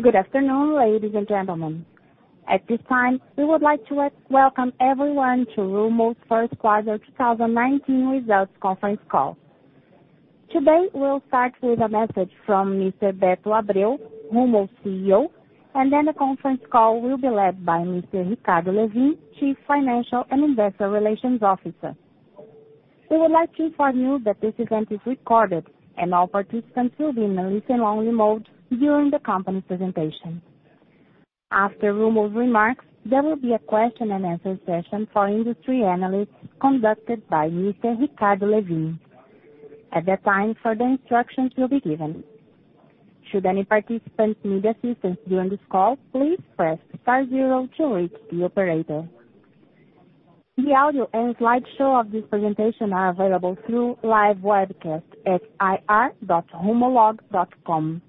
Good afternoon, ladies and gentlemen. At this time, we would like to welcome everyone to Rumo's first quarter 2019 results conference call. Today, we'll start with a message from Mr. Beto Abreu, Rumo's CEO, and then the conference call will be led by Mr. Ricardo Lewin, Chief Financial and Investor Relations Officer. We would like to inform you that this event is recorded, and all participants will be in a listen-only mode during the company presentation. After Rumo's remarks, there will be a question and answer session for industry analysts conducted by Mr. Ricardo Lewin. At that time, further instructions will be given. Should any participant need assistance during this call, please press star zero to reach the operator. The audio and slideshow of this presentation are available through live webcast at ir.rumolog.com.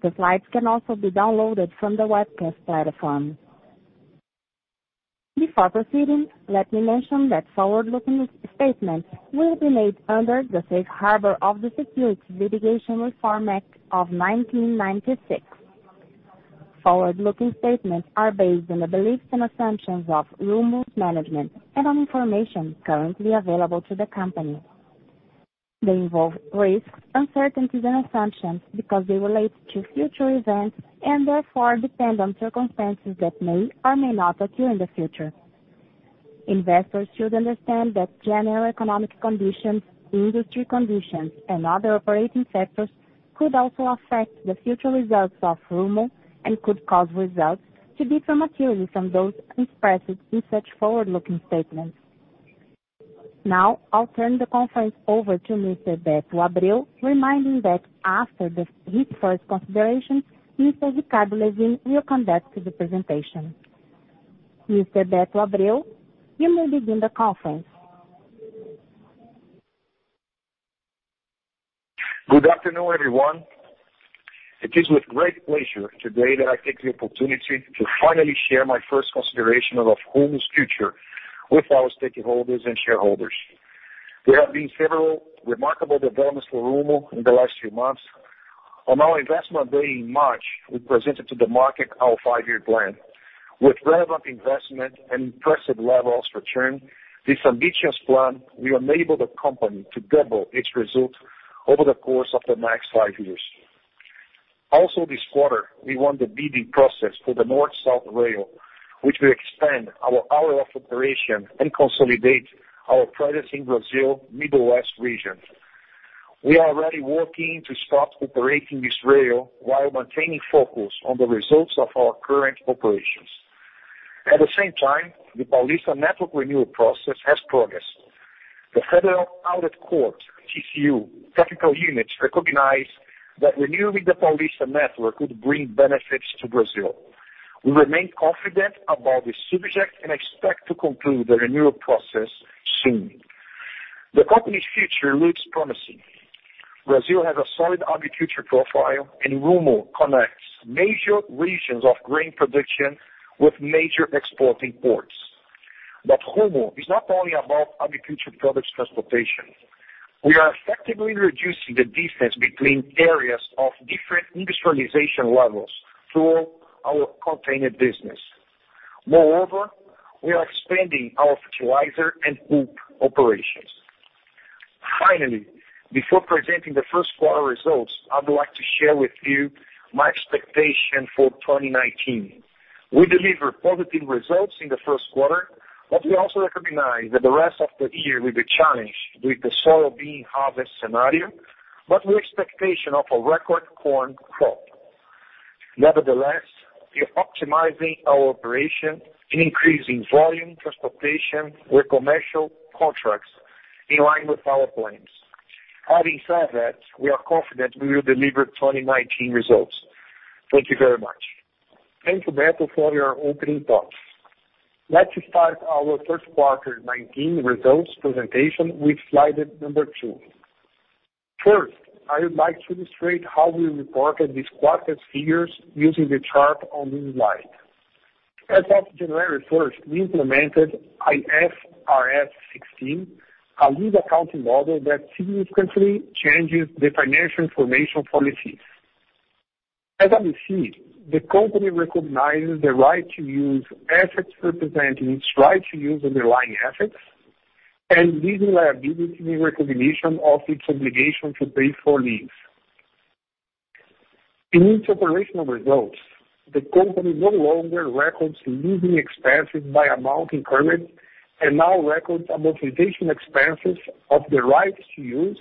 The slides can also be downloaded from the webcast platform. Before proceeding, let me mention that forward-looking statements will be made under the safe harbor of the Securities Litigation Reform Act of 1996. Forward-looking statements are based on the beliefs and assumptions of Rumo's management and on information currently available to the company. They involve risks, uncertainties, and assumptions because they relate to future events and therefore depend on circumstances that may or may not occur in the future. Investors should understand that general economic conditions, industry conditions, and other operating factors could also affect the future results of Rumo and could cause results to differ materially from those expressed in such forward-looking statements. Now, I'll turn the conference over to Mr. Beto Abreu, reminding that after his first consideration, Mr. Ricardo Lewin will conduct the presentation. Mr. Beto Abreu, you may begin the conference. Good afternoon, everyone. It is with great pleasure today that I take the opportunity to finally share my first consideration of Rumo's future with our stakeholders and shareholders. There have been several remarkable developments for Rumo in the last few months. On our investment day in March, we presented to the market our five-year plan. With relevant investment and impressive levels of return, this ambitious plan will enable the company to double its results over the course of the next five years. Also this quarter, we won the bidding process for the North-South Rail, which will expand our hour of operation and consolidate our presence in Brazil Middle West region. We are already working to start operating this rail while maintaining focus on the results of our current operations. At the same time, the Malha Paulista renewal process has progressed. The Federal Audit Court, TCU, technical units recognized that renewing the Malha Paulista would bring benefits to Brazil. We remain confident about this subject and expect to conclude the renewal process soon. The company's future looks promising. Brazil has a solid agriculture profile, and Rumo connects major regions of grain production with major exporting ports. Rumo is not only about agriculture products transportation. We are effectively reducing the distance between areas of different industrialization levels through our container business. Moreover, we are expanding our fertilizer and pulp operations. Finally, before presenting the first quarter results, I would like to share with you my expectation for 2019. We delivered positive results in the first quarter, we also recognize that the rest of the year will be challenged with the soybean harvest scenario, with expectation of a record corn crop. Nevertheless, we are optimizing our operation and increasing volume transportation with commercial contracts in line with our plans. Having said that, we are confident we will deliver 2019 results. Thank you very much. Thanks, Beto, for your opening thoughts. Let's start our first quarter 2019 results presentation with slide number two. First, I would like to illustrate how we reported this quarter's figures using the chart on this slide. As of January 1st, we implemented IFRS 16, a new accounting model that significantly changes the financial information policies. As you see, the company recognizes the right to use assets representing its right to use underlying assets and these liabilities in recognition of its obligation to pay for lease. In its operational results, the company no longer records leasing expenses by amount incurred and now records amortization expenses of the rights to use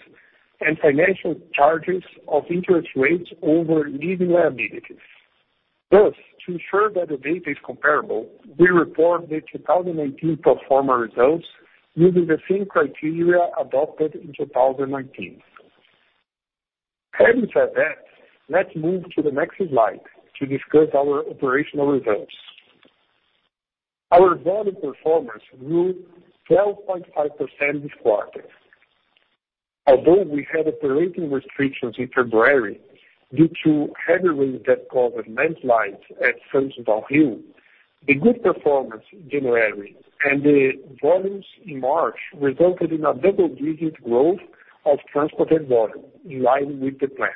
and financial charges of interest rates over leasing liabilities. Thus, to ensure that the data is comparable, we report the 2018 pro forma results using the same criteria adopted in 2019. Having said that, let's move to the next slide to discuss our operational results. Our volume performance grew 12.5% this quarter. Although we had operating restrictions in February due to heavy rain that caused landslides at São João Hill. The good performance in January and the volumes in March resulted in a double-digit growth of transported volume, in line with the plan.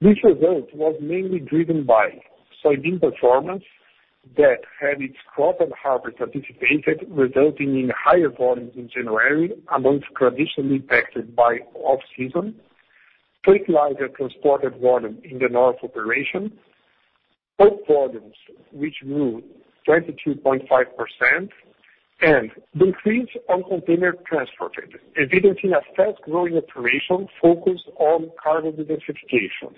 This result was mainly driven by soybean performance that had its crop and harvest anticipated, resulting in higher volumes in January, a month traditionally impacted by off-season. Slightly larger transported volume in the north operation. Bulk volumes, which grew 22.5%, and increase on container transported, evidencing a fast-growing operation focused on cargo diversification,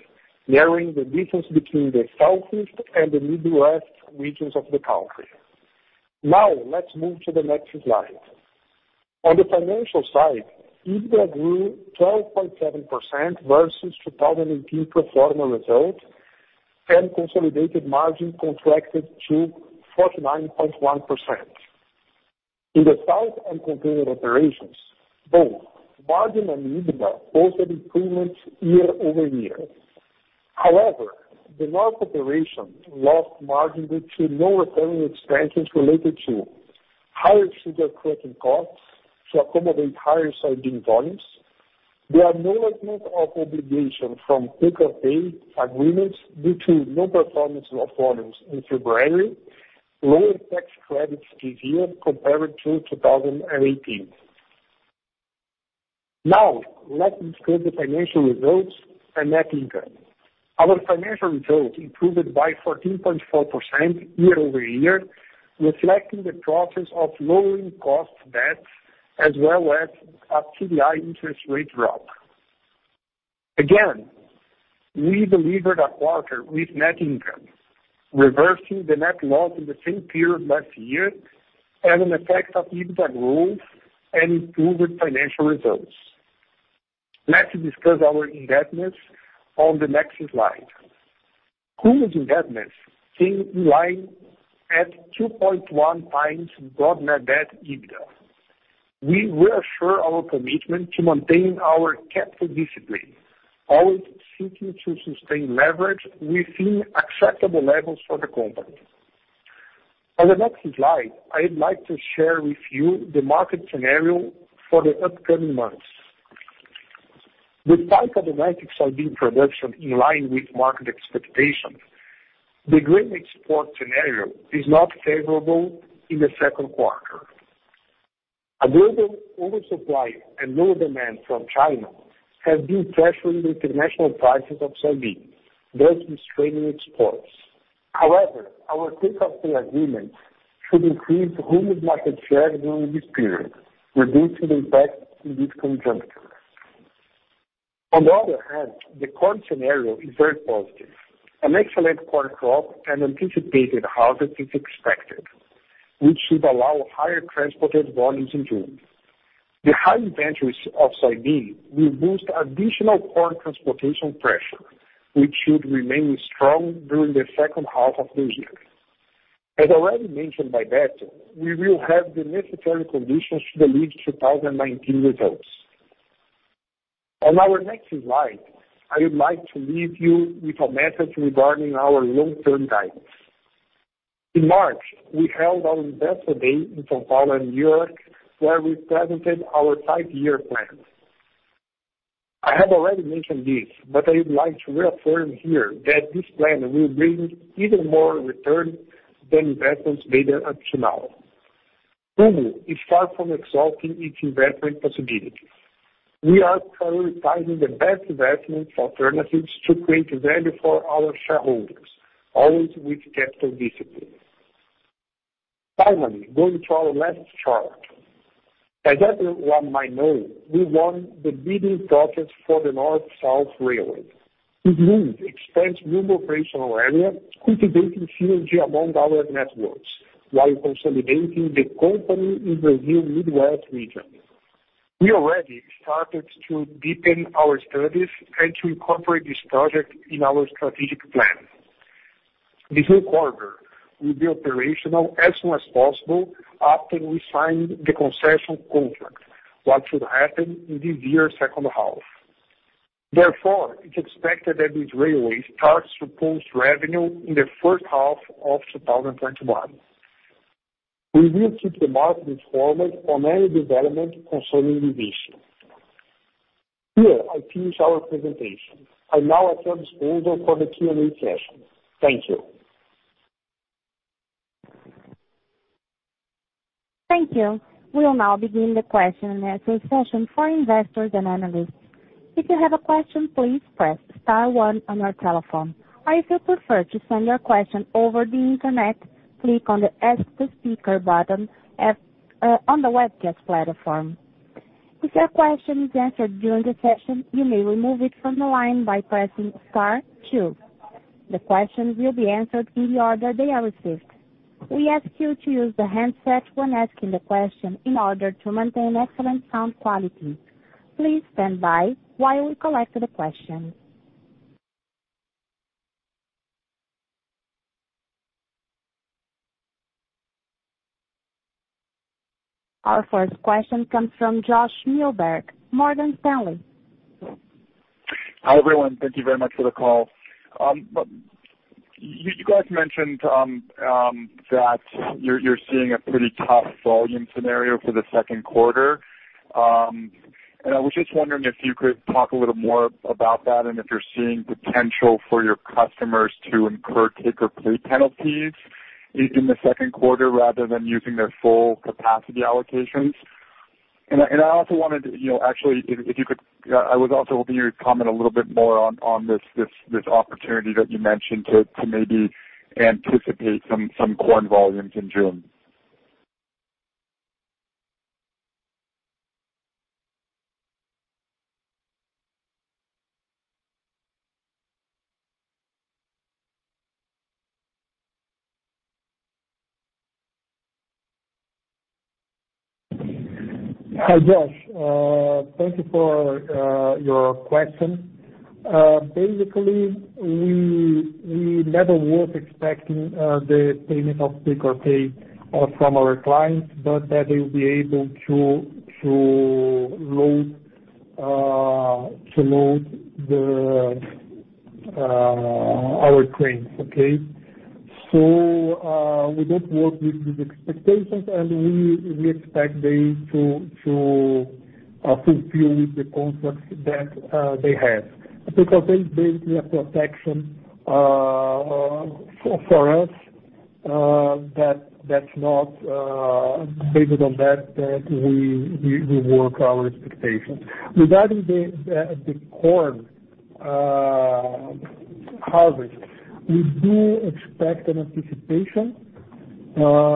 narrowing the distance between the southeast and the Midwest regions of the country. Let's move to the next slide. On the financial side, EBITDA grew 12.7% versus 2018 pro forma result, and consolidated margin contracted to 49.1%. In the site and container operations, both margin and EBITDA posted improvements year-over-year. However, the north operation lost margin due to no recurring expenses related to higher sugar crushing costs to accommodate higher soybean volumes. There are no allotment of obligation from take-or-pay agreements due to low performance of volumes in February. Lower tax credits this year compared to 2018. Let's discuss the financial results and net income. Our financial results improved by 14.4% year-over-year, reflecting the process of lowering cost debts, as well as a CDI interest rate drop. We delivered a quarter with net income, reversing the net loss in the same period last year, and an effect of EBITDA growth and improved financial results. Let's discuss our indebtedness on the next slide. Rumo's indebtedness came in line at 2.1 times gross net debt EBITDA. We reassure our commitment to maintain our capital discipline, always seeking to sustain leverage within acceptable levels for the company. On the next slide, I would like to share with you the market scenario for the upcoming months. With type of the next soybean production in line with market expectations, the grain export scenario is not favorable in the second quarter. A global oversupply and low demand from China have been pressuring international prices of soybean, thus restraining exports. However, our take-or-pay agreements should increase Rumo's market share during this period, reducing the impact in this conjuncture. On the other hand, the corn scenario is very positive. An excellent corn crop and anticipated harvest is expected, which should allow higher transported volumes in June. The high inventories of soybean will boost additional corn transportation pressure, which should remain strong during the second half of this year. As already mentioned by Beto, we will have the necessary conditions to deliver 2019 results. On our next slide, I would like to leave you with a message regarding our long-term guidance. In March, we held our investor day in São Paulo and New York, where we presented our five-year plan. I have already mentioned this, but I would like to reaffirm here that this plan will bring even more return than investments made up to now. Rumo is far from exhausting its investment possibilities. We are prioritizing the best investment alternatives to create value for our shareholders, always with capital discipline. Finally, going to our last chart. As everyone might know, we won the bidding process for the North-South Railway. This move expands Rumo operational area, cultivating synergy among our networks while consolidating the company in Brazil Midwest region. We already started to deepen our studies and to incorporate this project in our strategic plan. This new corridor will be operational as soon as possible after we sign the concession contract. What should happen in this year's second half. Therefore, it's expected that this railway starts to post revenue in the first half of 2021. We will keep the market informed on any development concerning this issue. Here, I finish our presentation. I'm now at your disposal for the Q&A session. Thank you. Thank you. We'll now begin the question and answer session for investors and analysts. If you have a question, please press star one on your telephone. If you prefer to send your question over the internet, click on the Ask the Speaker button on the webcast platform. If your question is answered during the session, you may remove it from the line by pressing star two. The questions will be answered in the order they are received. We ask you to use the handset when asking the question in order to maintain excellent sound quality. Please stand by while we collect the questions. Our first question comes from Josh Milberg, Morgan Stanley. Hi, everyone. Thank you very much for the call. You guys mentioned that you're seeing a pretty tough volume scenario for the second quarter. I was just wondering if you could talk a little more about that, and if you're seeing potential for your customers to incur take-or-pay penalties in the second quarter, rather than using their full capacity allocations. Actually, if you could, I was also hoping you would comment a little bit more on this opportunity that you mentioned to maybe anticipate some corn volumes in June. Hi, Josh. Thank you for your question. Basically, we never were expecting the payment of take-or-pay from our clients, but that they will be able to load our trains. Okay. We don't work with these expectations, and we expect them to fulfill with the contracts that they have. Basically, a protection for us, that's not based on that we work our expectations. Regarding the corn harvest, we do expect an anticipation of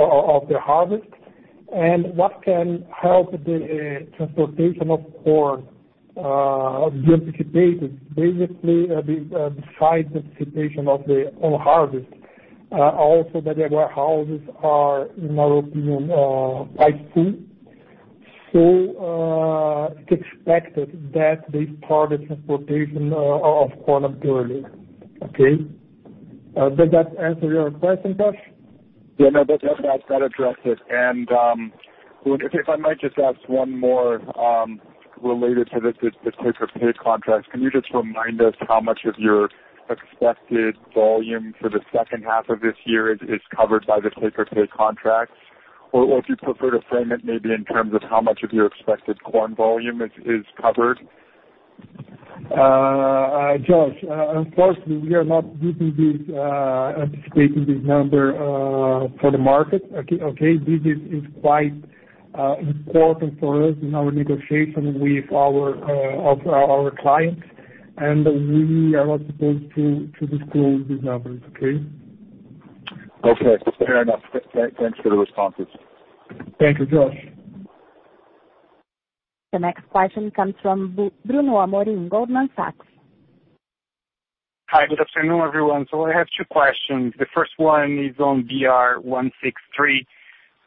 the harvest. What can help the transportation of corn be anticipated? Basically, besides anticipation of the whole harvest, also that the warehouses are, in our opinion, quite full. It's expected that they start the transportation of corn up early. Okay. Did that answer your question, Josh? Yeah, no, that addressed it. If I might just ask one more related to the take-or-pay contracts. Can you just remind us how much of your expected volume for the second half of this year is covered by the take-or-pay contracts? If you prefer to frame it maybe in terms of how much of your expected corn volume is covered. Josh, unfortunately, we are not giving this, anticipating this number, for the market. Okay. This is quite important for us in our negotiation with our clients, and we are not supposed to disclose these numbers. Okay. Okay, fair enough. Thanks for the responses. Thank you, Josh. The next question comes from Bruno Amorim, Goldman Sachs. Hi, good afternoon, everyone. I have two questions. The first one is on BR-163.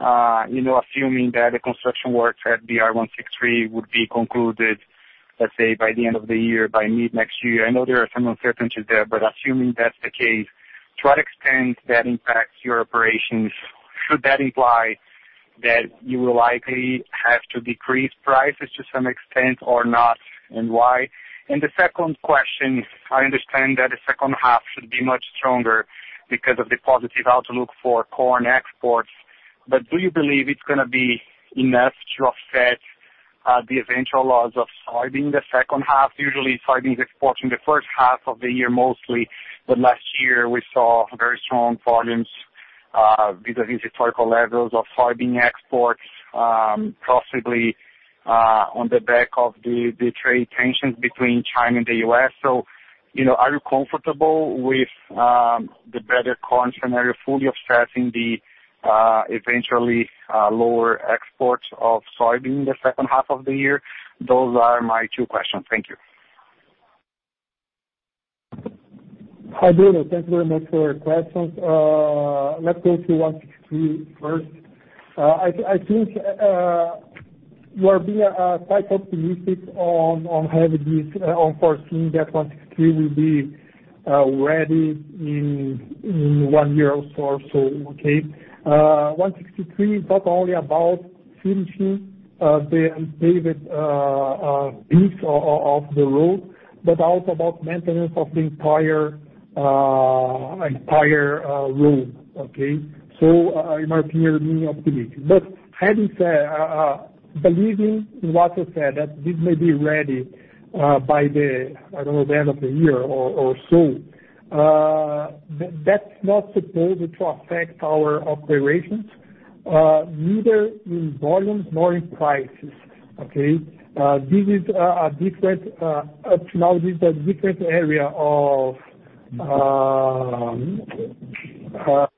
Assuming that the construction works at BR-163 would be concluded, let's say, by the end of the year, by mid-next year. I know there are some uncertainties there, but assuming that's the case, to what extent that impacts your operations? Should that imply that you will likely have to decrease prices to some extent or not, and why? The second question, I understand that the second half should be much stronger because of the positive outlook for corn exports. Do you believe it's going to be enough to offset the eventual loss of soybean in the second half? Usually, soybeans export in the first half of the year mostly, but last year we saw very strong volumes, vis-à-vis historical levels of soybean exports, possibly on the back of the trade tensions between China and the U.S. Are you comfortable with the better corn scenario fully offsetting the eventually lower exports of soybean in the second half of the year? Those are my two questions. Thank you. Hi, Bruno. Thank you very much for your questions. Let's go to 163 first. I think we are being quite optimistic on having this, on foreseeing that 163 will be ready in one year or so. Okay. 163 is not only about finishing the unpaved piece of the road, but also about maintenance of the entire road. Okay. In our opinion, we are being optimistic. Having said, believing what you said, that this may be ready by the, I don't know, the end of the year or so, that's not supposed to affect our operations, neither in volumes nor in prices. Okay. This is a different area of influence. Okay.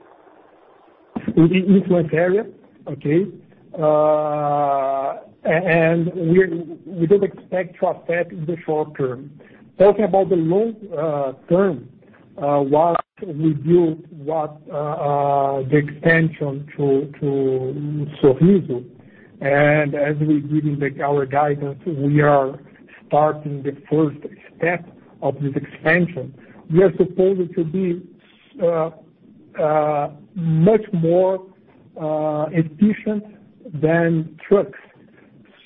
We don't expect to affect in the short-term. Talking about the long-term, what we built, the extension to Sorriso. As we give you our guidance, we are starting the first step of this expansion. We are supposed to be much more efficient than trucks.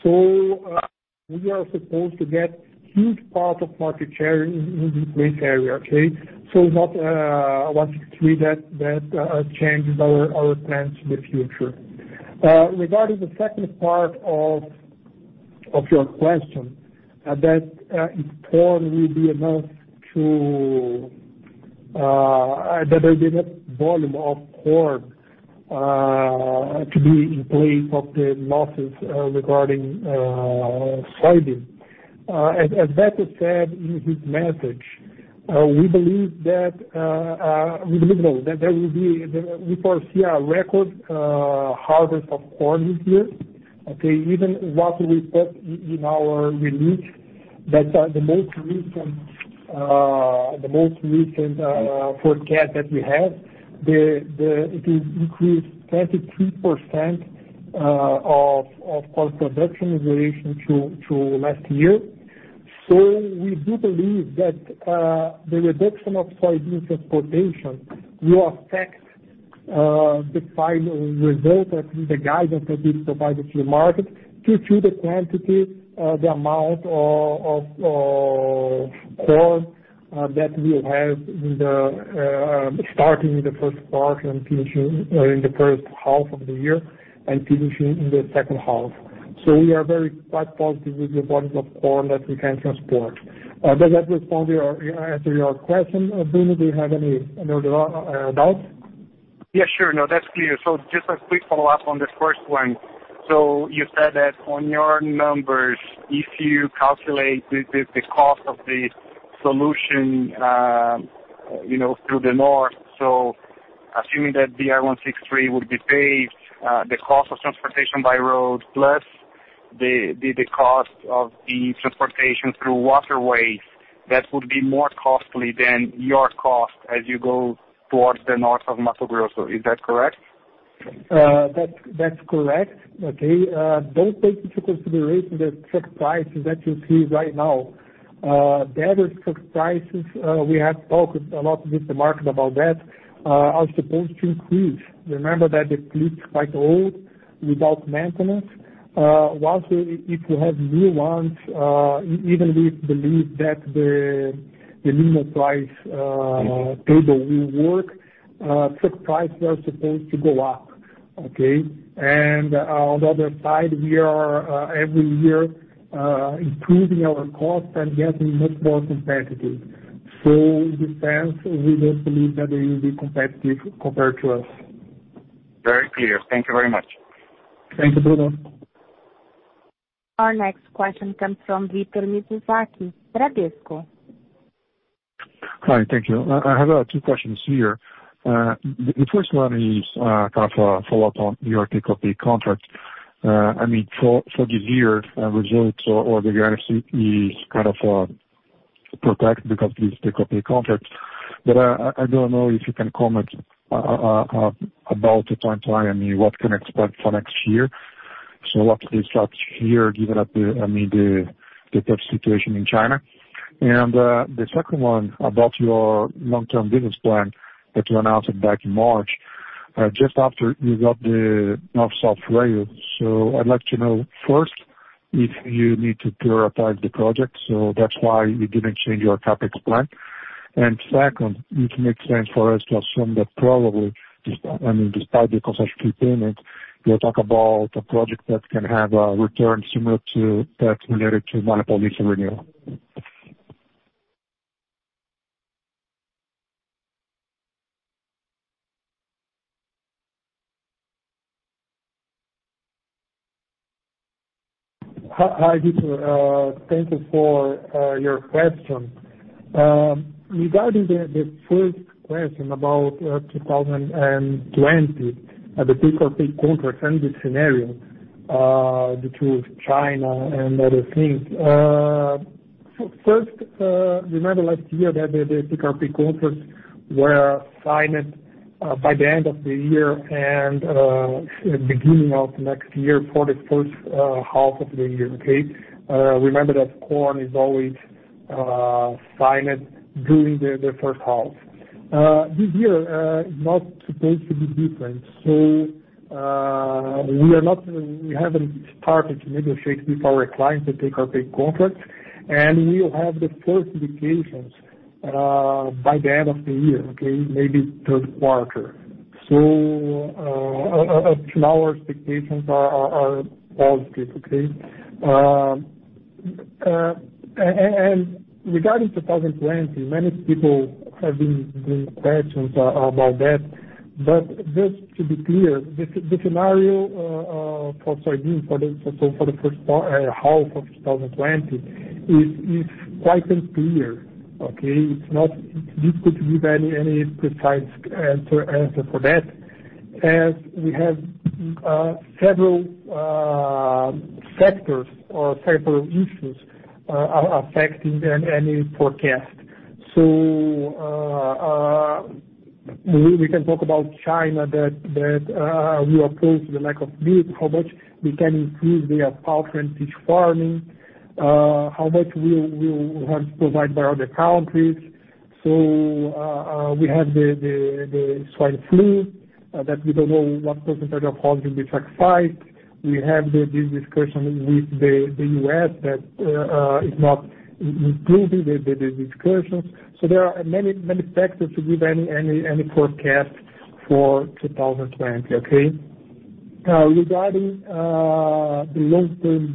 We are supposed to get huge part of market share in this great area. Okay. I want you to read that changes our plans for the future. Regarding the second part of your question, that if corn will be enough that there will be enough volume of corn to be in place of the losses regarding soybean. As Beto said in his message, we foresee a record harvest of corn this year. Okay. Even what we put in our release, that the most recent forecast that we have, it will increase 33% of corn production in relation to last year. We do believe that the reduction of soybean transportation will affect the final result, or the guidance that we provided to the market, to the quantity, the amount of corn that we will have, starting in the first part and finishing in the first half of the year and finishing in the second half. We are very quite positive with the volume of corn that we can transport. Does that answer your question, Bruno? Do you have any further doubts? Yeah, sure. No, that's clear. Just a quick follow-up on the first one. You said that on your numbers, if you calculate the cost of the solution through the north, assuming that the BR-163 would be paved, the cost of transportation by road plus the cost of the transportation through waterways, that would be more costly than your cost as you go towards the north of Mato Grosso. Is that correct? That's correct. Okay. Don't take into consideration the truck prices that you see right now. The other truck prices, we have talked a lot with the market about that, are supposed to increase. Remember that the fleet is quite old without maintenance. Once, if we have new ones, even we believe that the minimal price table will work, truck prices are supposed to go up. Okay? On the other side, we are, every year, improving our cost and getting much more competitive. With that, we don't believe that they will be competitive compared to us. Very clear. Thank you very much. Thank you, Bruno. Our next question comes from Victor Mizusaki, Bradesco. Hi. Thank you. I have two questions here. The first one is kind of a follow-up on your take-or-pay contract. For this year, results or the guidance is kind of protected because of this take-or-pay contract. I don't know if you can comment about the timeline. What can expect for next year? What starts here, given the tough situation in China. The second one, about your long-term business plan that you announced back in March, just after you got the North-South rail. I'd like to know, first, if you need to prioritize the project, so that's why you didn't change your CapEx plan. Second, if you make sense for us to assume that probably, despite the concession prepayment, you'll talk about a project that can have a return similar to that related to [monopoly surrender]. Hi, Victor. Thank you for your question. Regarding the first question about 2020, the take-or-pay contract and the scenario, the two, China and other things. First, remember last year that the take-or-pay contracts were signed by the end of the year and beginning of next year for the first half of the year. Okay? Remember that corn is always signed during the first half. This year is not supposed to be different. We haven't started to negotiate with our clients take-or-pay contracts, and we will have the first indications by the end of the year. Okay? Maybe third quarter. Up to now, our expectations are positive. Okay? Regarding 2020, many people have been bringing questions about that. Just to be clear, the scenario for soybean for the first half of 2020 is quite unclear. Okay? It's difficult to give any precise answer for that, as we have several factors or several issues affecting any forecast. We can talk about China, that we are close to the lack of meat, how much we can increase their poultry and fish farming, how much we will have to provide by other countries. We have the African swine fever, that we don't know what percentage of hogs will be sacrificed. We have this discussion with the U.S. that is not improving, the discussions. There are many factors to give any forecast for 2020, okay? Regarding the long-term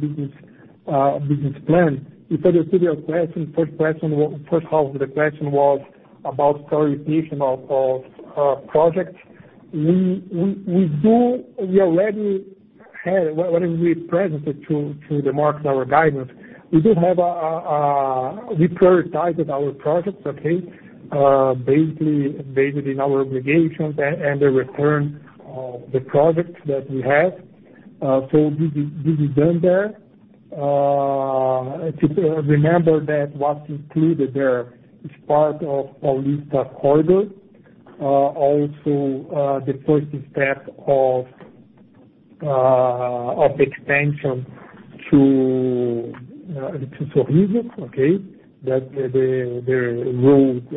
business plan, you said your previous question, first question, first half of the question was about prioritization of projects. We already had, when we presented to the market our guidance, we prioritized our projects, okay? Basically, based in our obligations and the return of the projects that we have. This is done there. Remember that what's included there is part of Paulista Corridor, also the first step of extension to [Principio Jesus]. That the road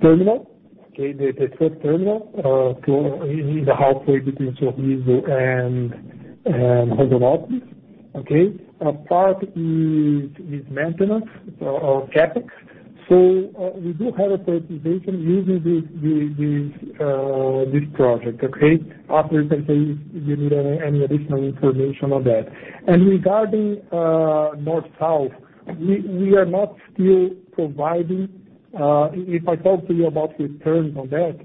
terminal. The first terminal is halfway between São Luís and Rondonópolis. A part is maintenance of CapEx. We do have a prioritization using this project. After, I can say if you need any additional information on that. Regarding North-South, we are not still providing. If I talk to you about returns on that,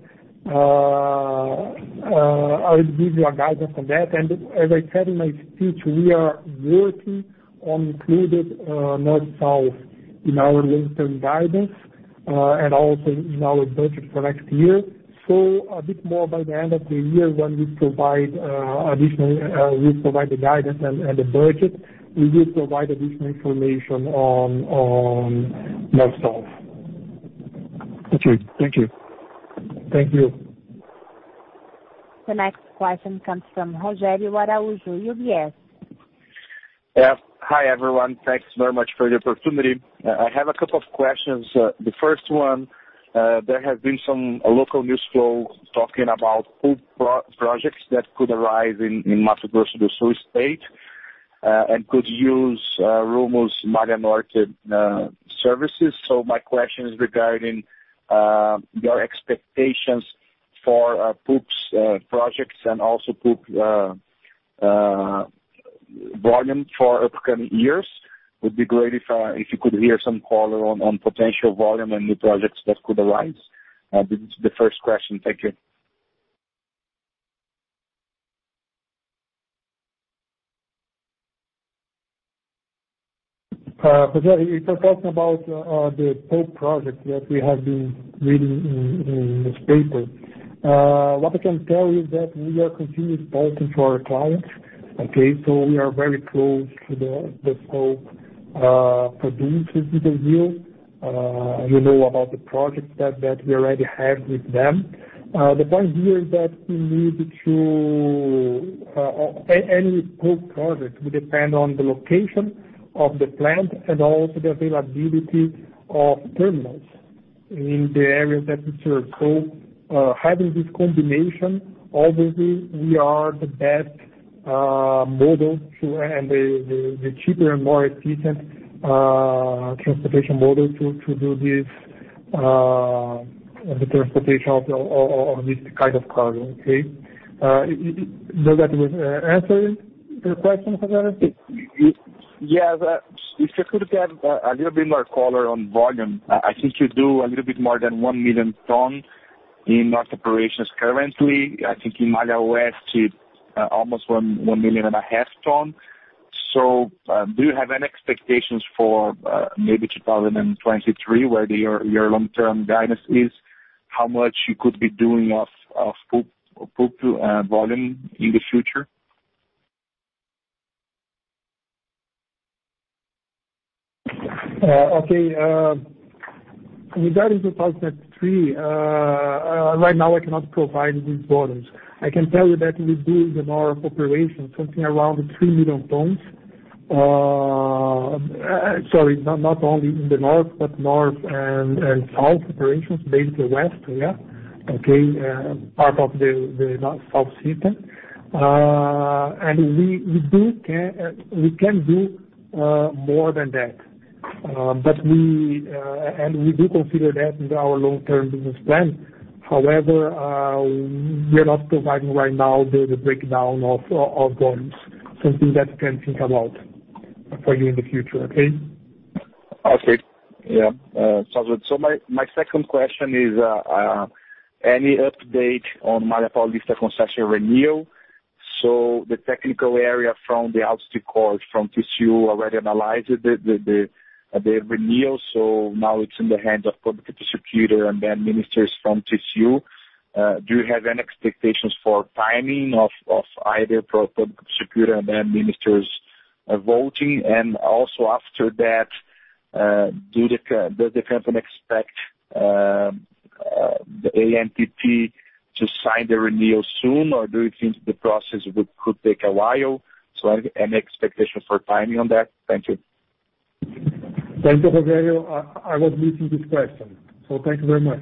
I will give you a guidance on that. As I said in my speech, we are working on including North-South in our long-term guidance, and also in our budget for next year. A bit more by the end of the year when we provide the guidance and the budget, we will provide additional information on North-South. Okay. Thank you. Thank you. The next question comes from Rogério Araujo, UBS. Yeah. Hi, everyone. Thanks very much for the opportunity. I have a couple of questions. The first one, there has been some local news flow talking about pulp projects that could arise in Mato Grosso do Sul state, and could use Rumo's Malha Norte services. My question is regarding your expectations for pulp's projects and also pulp volume for upcoming years. Would be great if you could hear some color on potential volume and new projects that could arise. This is the first question. Thank you. Rogério, if you're talking about the pulp project that we have been reading in this paper. What I can tell you is that we are continuously talking to our clients, okay? We are very close to the scope for doing this with Vale. You know about the projects that we already have with them. Any pulp project will depend on the location of the plant and also the availability of terminals in the areas that we serve. Having this combination, obviously, we are the best model and the cheaper and more efficient transportation model to do this, the transportation of this kind of cargo, okay? Does that answer your question, Rogério? Yeah. If you could give a little bit more color on volume. I think you do a little bit more than 1 million tons in North operations currently. I think in Malha Oeste, almost 1.5 million tons. Do you have any expectations for maybe 2023, where your long-term guidance is, how much you could be doing of pulp volume in the future? Okay. Regarding 2023, right now I cannot provide these volumes. I can tell you that we do, in our operation, something around 3 million tons. Sorry, not only in the north, but north and south operations, basically west, yeah. Okay, part of the south system. We can do more than that. We do consider that in our long-term business plan. However, we are not providing right now the breakdown of volumes. Something that we can think about for you in the future, okay? Okay. Yeah. Sounds good. My second question is, any update on Malha Paulista concession renewal? The technical area from the Federal Audit Court, from TCU, already analyzed the renewal, now it's in the hands of public prosecutor and ministers from TCU. Do you have any expectations for timing of either public prosecutor and minister's voting? Also after that, does the company expect ANTT to sign the renewal soon, or do you think the process could take a while? Any expectation for timing on that? Thank you. Thank you, Rogério. I was missing this question. Thank you very much.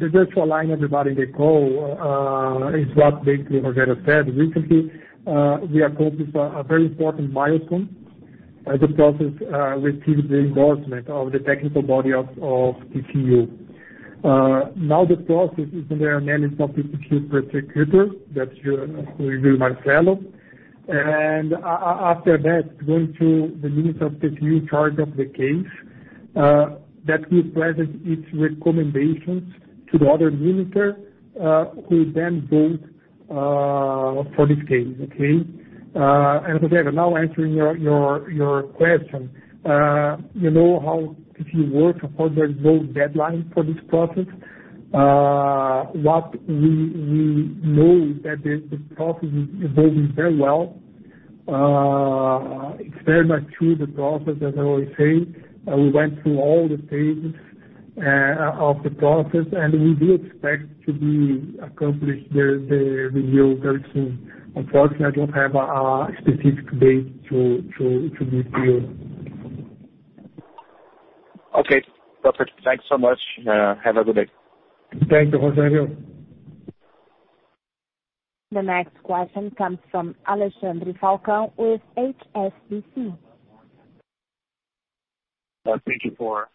Just to align everybody in the call, it's what basically Rogério said. Recently, we accomplished a very important milestone as the process received the endorsement of the technical body of TCU. Now the process is in the hands of the TCU prosecutor, that's Júlio Marcelo de Oliveira. After that, it's going to the minister of TCU in charge of the case, that will present its recommendations to the other minister, who will then vote for this case. Okay? Rogério, now answering your question. You know how TCU works. Of course, there is no deadline for this process. What we know is that this process is evolving very well. It's very much through the process, as I always say. We went through all the phases of the process. We do expect to be accomplished the review very soon. Unfortunately, I don't have a specific date to give to you. Okay, perfect. Thanks so much. Have a good day. Thank you, Rogério. The next question comes from Alexandre Falcão with HSBC. Thank you for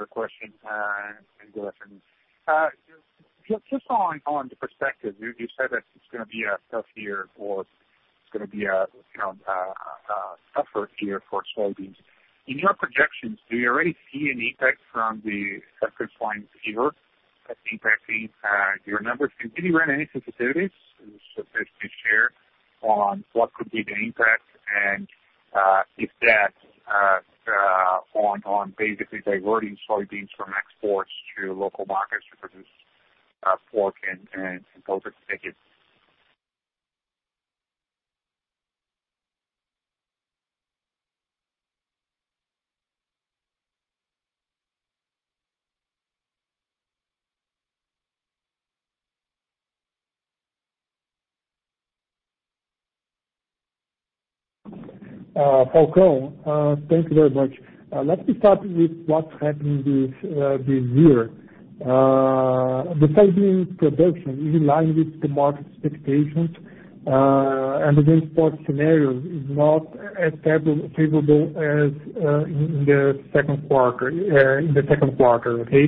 the question and good afternoon. Just on the perspective, you said that it's going to be a tough year, or it's going to be a tougher year for soybeans. In your projections, do you already see an impact from the African swine fever impacting your numbers? Can you run any sensitivities, so basically share on what could be the impact and if that on basically diverting soybeans from exports to local markets to produce pork and poultry? Thank you. Falcão, thank you very much. Let me start with what's happening this year. The soybean production is in line with the market expectations, and the export scenario is not as favorable as in the second quarter. Okay?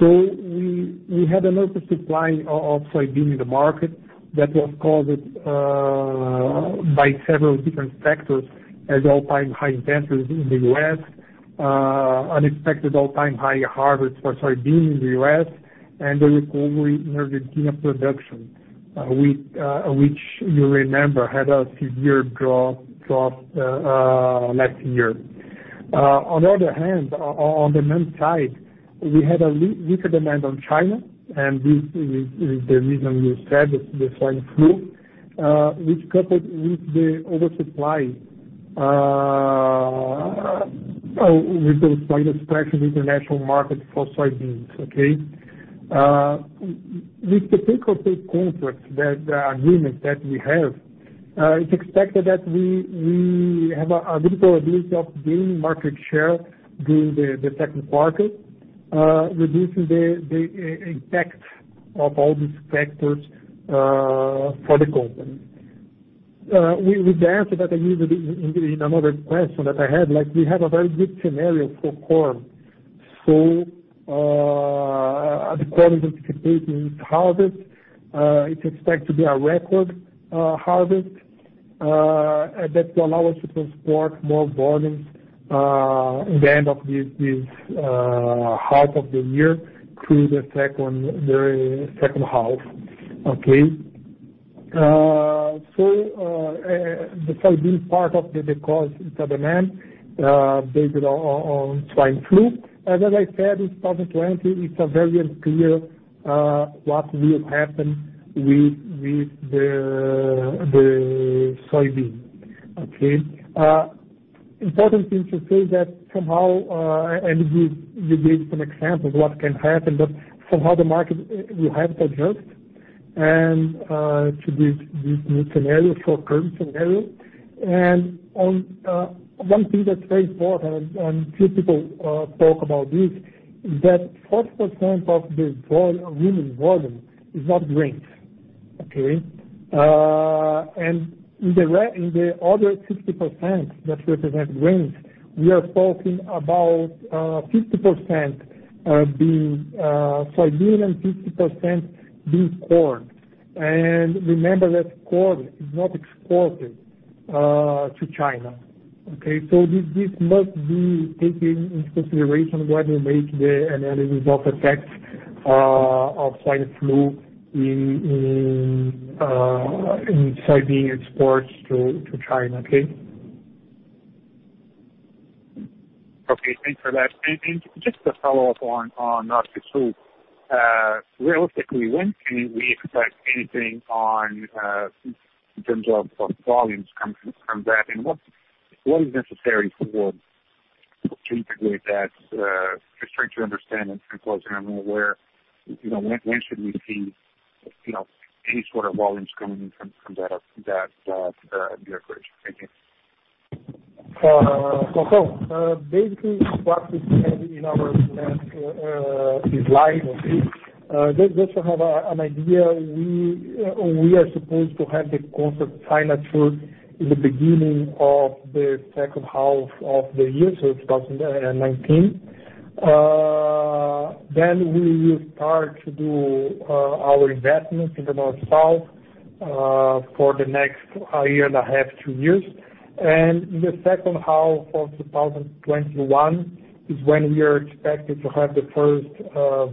We had an oversupply of soybeans in the market that was caused by several different factors, as all-time high temperatures in the U.S., unexpected all-time high harvest for soybeans in the U.S., and the recovery in Argentina production, which you remember had a severe drought last year. On the other hand, on demand side, we had a weaker demand on China, and this is the reason you said, the African swine fever, which coupled with the oversupply especially the international market for soybeans. Okay? With the takeaway conflict, the agreement that we have, it's expected that we have a good probability of gaining market share during the second quarter, reducing the impact of all these factors for the company. With the answer that I gave in another question that I had, we have a very good scenario for corn. The quality anticipation is harvest. It's expected to be a record harvest that will allow us to transport more volume in the end of this half of the year through the second half. Okay. The soybean part of the demand, based on swine flu, and as I said, in 2020, it's very unclear what will happen with the soybean. Okay. Important thing to say that somehow, and we gave some examples what can happen, but somehow the market will have to adjust to this new scenario, for current scenario. One thing that's very important, and few people talk about this, is that 40% of the volume is not grains. Okay. In the other 60% that represent grains, we are talking about 50% being soybean and 50% being corn. Remember that corn is not exported to China. Okay. This must be taken into consideration when we make the analysis of effect of swine flu in soybean exports to China. Okay. Okay, thanks for that. Just to follow up on North-South, realistically, when can we expect anything in terms of volumes coming from that? What is necessary for to integrate that? Just trying to understand it and closing. When should we see any sort of volumes coming in from that acquisition? Thank you. Basically, what we said in our event is live. Just to have an idea, we are supposed to have the contract signed through the beginning of the second half of the year, so 2019. We will start to do our investments in the North-South Railway for the next year and a half, two years. In the second half of 2021 is when we are expected to have the first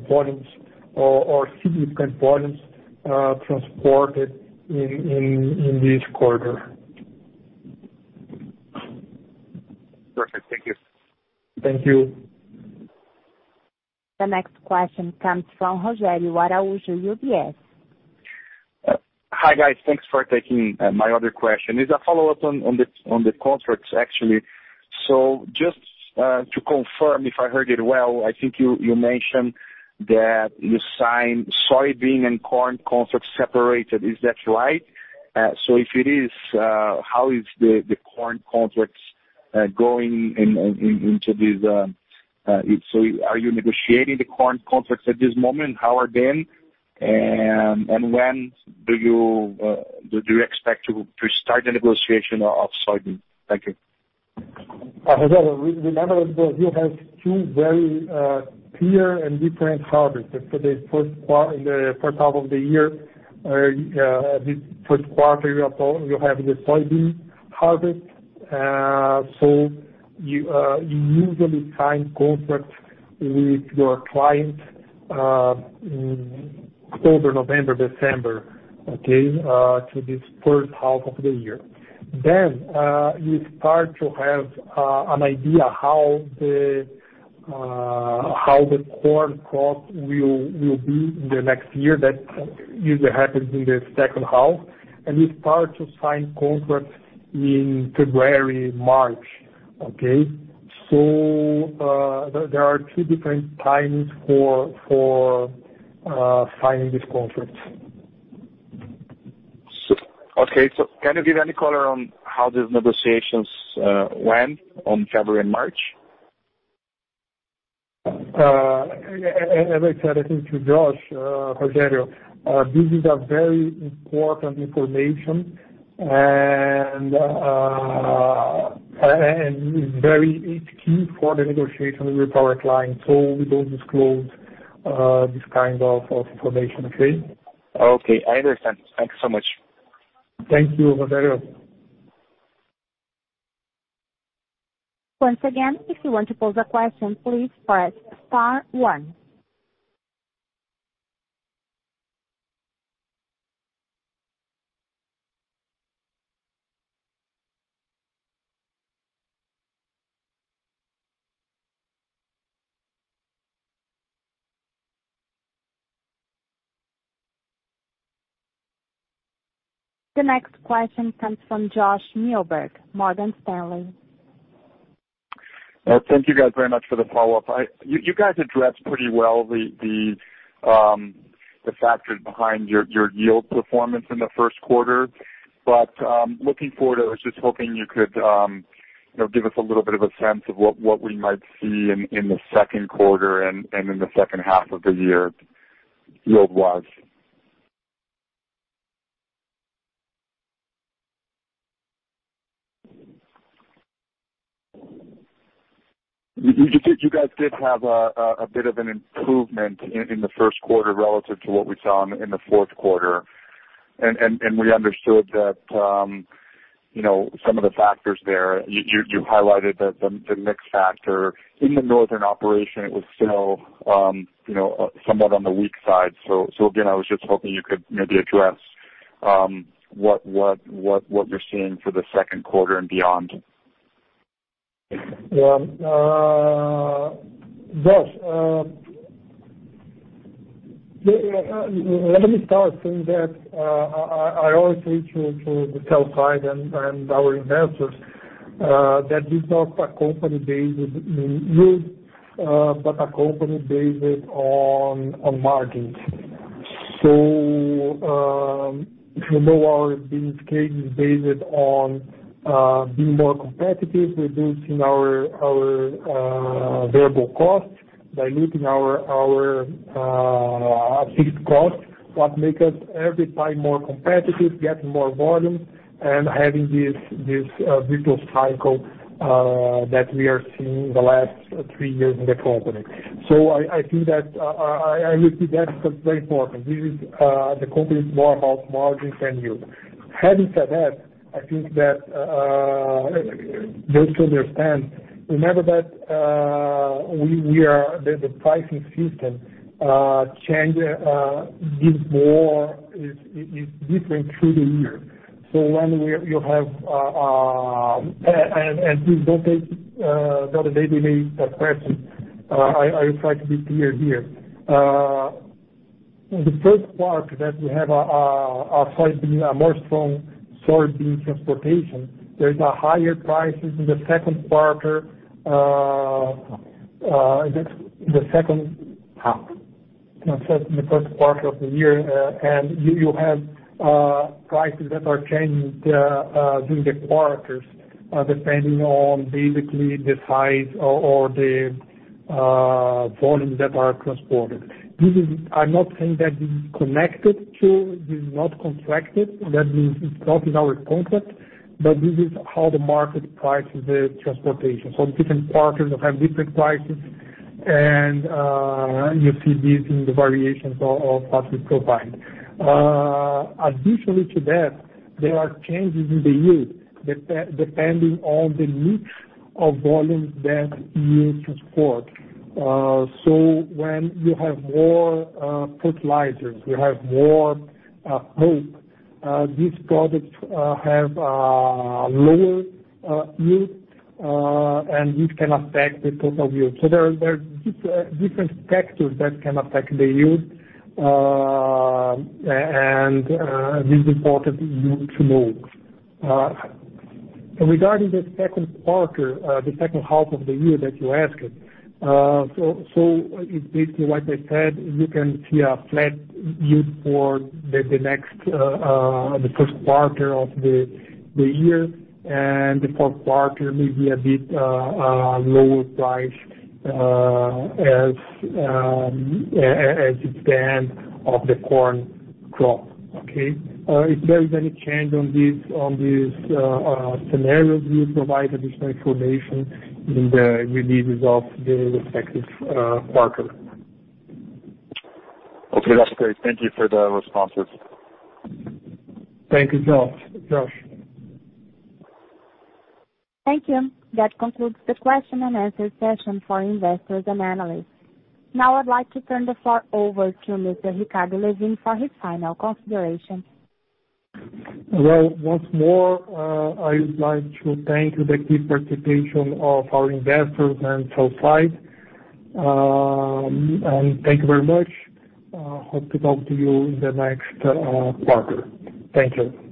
volumes or significant volumes transported in this corridor. Perfect. Thank you. Thank you. The next question comes from Rogério Araujo, UBS. Hi, guys. Thanks for taking my other question. It's a follow-up on the contracts, actually. Just to confirm if I heard it well, I think you mentioned that you signed soybean and corn contracts separated. Is that right? If it is, how is the corn contracts going into this? Are you negotiating the corn contracts at this moment? How are they, and when do you expect to start the negotiation of soybean? Thank you. Rogério, remember that we have two very clear and different harvests for the first half of the year. The first quarter, you have the soybean harvest. You usually sign contracts with your client, October, November, December, okay, to this first half of the year. You start to have an idea how the corn crop will be in the next year. That usually happens in the second half, and you start to sign contracts in February, March, okay? There are two different times for signing these contracts. Okay. Can you give any color on how these negotiations went on February and March? As I said, I think to Josh, Rogério, this is a very important information and is key for the negotiation with our client. We don't disclose this kind of information, okay? Okay. I understand. Thanks so much. Thank you, Rogério. Once again, if you want to pose a question, please press star one. The next question comes from Josh Milberg, Morgan Stanley. Thank you guys very much for the follow-up. You guys addressed pretty well the factors behind your yield performance in the first quarter. Looking forward, I was just hoping you could give us a little bit of a sense of what we might see in the second quarter and in the second half of the year, yield-wise. You guys did have a bit of an improvement in the first quarter relative to what we saw in the fourth quarter. We understood that some of the factors there, you highlighted the mix factor. In the northern operation, it was still somewhat on the weak side. Again, I was just hoping you could maybe address what you're seeing for the second quarter and beyond. Josh, let me start saying that I always say to the sell side and our investors that this is not a company based in yield, but a company based on margins. If you know our business case is based on being more competitive, reducing our variable costs, diluting our fixed costs, what make us every time more competitive, getting more volume, and having this virtuous cycle that we are seeing in the last three years in the company. I think that is very important. The company is more about margins than yield. Having said that, I think that those who understand, remember that. The pricing system changes. It's different through the year. Please don't take that lightly question. I try to be clear here. In the first part that we have a more strong soybean transportation, there is a higher prices in the second quarter. In the first quarter of the year, you have prices that are changed during the quarters, depending on basically the size or the volumes that are transported. I'm not saying that this is connected to, this is not contracted. That means it's not in our contract, this is how the market prices the transportation. Different partners have different prices, you see this in the variations of what we provide. Additionally to that, there are changes in the yield, depending on the mix of volumes that you transport. When you have more fertilizers, you have more pulp. These products have a lower yield can affect the total yield. There are different factors that can affect the yield, this is important yield to know. Regarding the second quarter, the second half of the year that you asked. It's basically what I said, you can see a flat yield for the first quarter of the year, the fourth quarter may be a bit lower price as it stands of the corn crop. Okay. If there is any change on these scenarios, we will provide additional information in the releases of the respective quarter. Okay, that's great. Thank you for the responses. Thank you, Josh. Thank you. That concludes the question and answer session for investors and analysts. I'd like to turn the floor over to Mr. Ricardo Lewin for his final considerations. Well, once more, I would like to thank the key participation of our investors and associates. Thank you very much. Hope to talk to you in the next quarter. Thank you